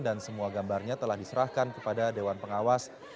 dan semua gambarnya telah diserahkan kepada dewan pengawas